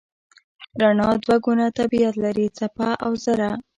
رڼا دوه ګونه طبیعت لري: څپه او ذره.